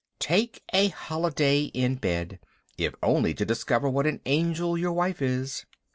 Take a holiday in bed, if only to discover what an angel your wife is.